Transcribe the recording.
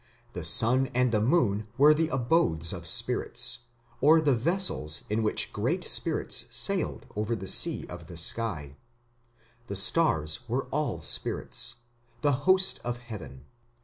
The sun and the moon were the abodes of spirits, or the vessels in which great spirits sailed over the sea of the sky; the stars were all spirits, the "host of heaven".